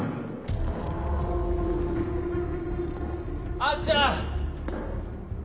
あっちゃん！